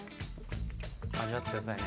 味わってくださいね。